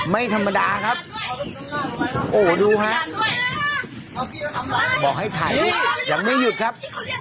ไม่ธรรมดาครับโอ้ดูฮะบอกให้ไถยังไม่หยุดครับ